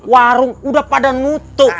warung udah pada nutup